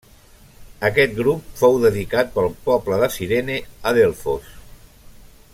Aquest grup fou dedicat pel poble de Cirene a Delfos.